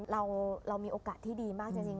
เรามีโอกาสที่ดีมากจริง